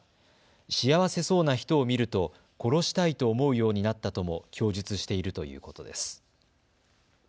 幸せそうな人を見ると殺したいと思うようになったとも供述しているということです。